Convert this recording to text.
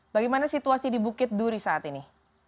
bagaimana situasi di bukit duri saat ini